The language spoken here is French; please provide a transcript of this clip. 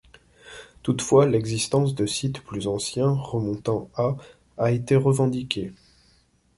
Toutefois, l’existence de sites plus anciens remontant à a été revendiquée.